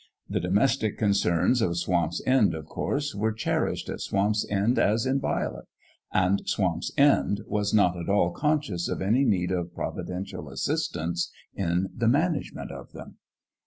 The domestic con cerns of Swamp's End, of course, were cherished at Swamp's End as inviolate; and Swamp's End was not at all conscious of any need of providential assistance in the management of them.